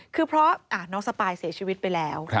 คือเพราะน้องสปายเสียชีวิตไปแล้ว